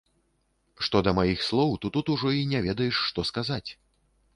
Што да маіх слоў, то тут ужо і не ведаеш, што казаць.